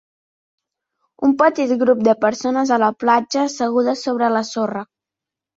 Un petit grup de persones a la platja, assegudes sobre la sorra.